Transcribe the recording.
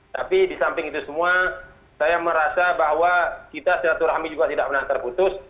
tapi di samping itu semua saya merasa bahwa kita silaturahmi juga tidak pernah terputus